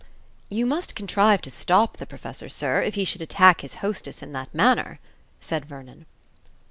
"You must contrive to stop the Professor, sir, if he should attack his hostess in that manner," said Vernon.